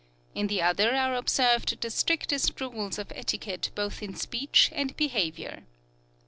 In the other are observed the strictest rules of etiquette both in speech and behavior.